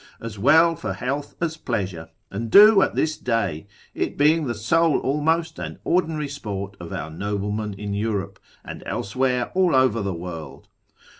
as well for health as pleasure, and do at this day, it being the sole almost and ordinary sport of our noblemen in Europe, and elsewhere all over the world.